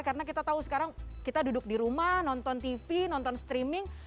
karena kita tahu sekarang kita duduk di rumah nonton tv nonton streaming